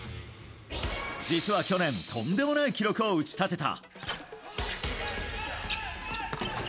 実は去年とんでもない記録を打ち立てた！